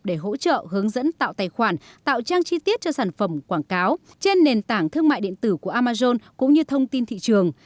để hỗ trợ hướng dẫn tạo tài khoản tạo trang chi tiết cho sản phẩm quảng cáo trên nền tảng thương mại điện tử của amazon cũng như thông tin thị trường